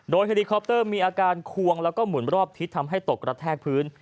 เฮลิคอปเตอร์มีอาการควงแล้วก็หมุนรอบทิศทำให้ตกกระแทกพื้น